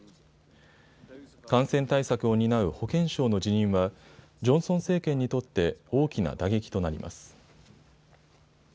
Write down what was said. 感染対策を担う保健相の辞任はジョンソン政権にとって大きな打撃となります。